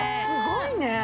すごいね。